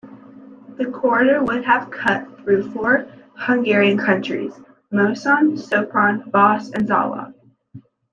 The corridor would have cut through four Hungarian counties, Moson, Sopron, Vas and Zala.